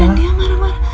dan dia marah marah